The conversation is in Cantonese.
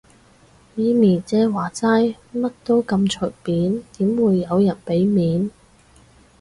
咪咪姐話齋，咩都咁隨便，點會有人俾面